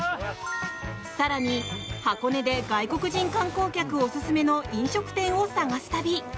更に箱根で外国人観光客オススメの飲食店を探す旅。